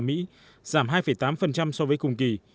giảm hai tám so với cùng kỳ